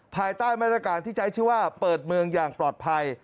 ภายใต้มาตรการที่ใช้ชื่อว่าเปิดเมืองอย่างปลอดภัย